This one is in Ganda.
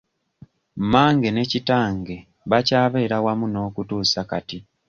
Mange ne kitange bakyabeera wamu n'okutuusa kati.